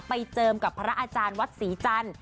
เจิมกับพระอาจารย์วัดศรีจันทร์